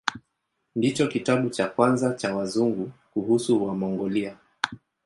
Ndicho kitabu cha kwanza cha Wazungu kuhusu Wamongolia.